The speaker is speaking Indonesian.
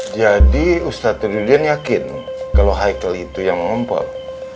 jadi ustaz trulian yakin kalau haikal itu yang ngomong